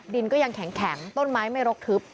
ดินก็ยังแข็งต้นไม้ไม่รกทึบ